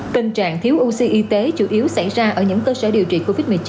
tình trạng thiếu oxy y tế chủ yếu xảy ra ở những cơ sở điều trị covid một mươi chín